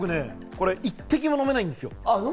一滴も飲めないんですよ。